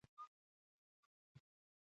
افغانستان د سمندر نه شتون له مخې پېژندل کېږي.